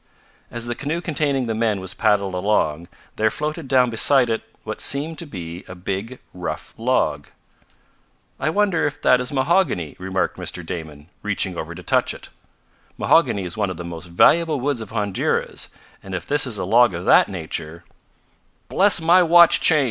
As the canoe containing the men was paddled along, there floated down beside it what seemed to be a big, rough log. "I wonder if that is mahogany," remarked Mr. Damon, reaching over to touch it. "Mahogany is one of the most valuable woods of Honduras, and if this is a log of that nature "Bless my watch chain!"